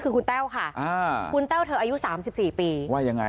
คือคุณแต้วค่ะอ่าคุณแต้วเธออายุสามสิบสี่ปีว่ายังไง